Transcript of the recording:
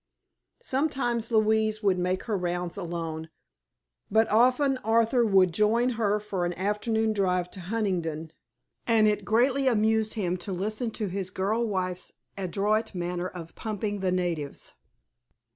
Sometimes Louise would make her rounds alone, but often Arthur would join her for an afternoon drive to Huntingdon, and it greatly amused him to listen to his girl wife's adroit manner of "pumping the natives."